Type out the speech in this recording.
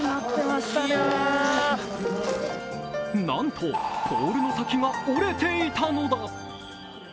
なんとポールの先が折れていたのだ。